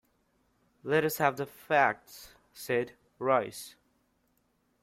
“Let us have the facts,” said Rhys.